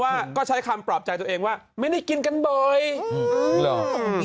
มากก็ใช้ขับว่าก็ใช้ฉันบอกว่าไม่ได้ชิดกันไป